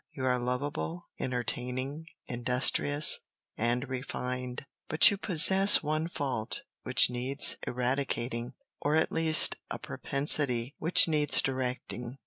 You are lovable, entertaining, industrious, and refined. But you possess one fault which needs eradicating, or at least a propensity which needs directing.